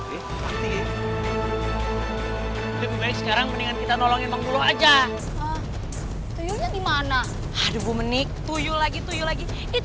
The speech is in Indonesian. sekarang mendingan kita tolongin penggulung aja gimana aduh bu menik tuyul lagi tuyul lagi itu